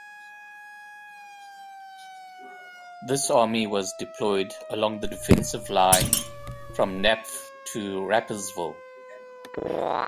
This army was deployed along the defensive line from Napf to Rapperswil.